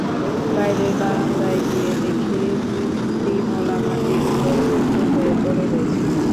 বাইরের বারান্দায় গিয়ে দেখি বিমলা মাটির উপর উপুড় হয়ে পড়ে রয়েছে।